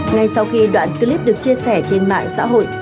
ngay sau khi đoạn clip được chia sẻ trên mạng xã hội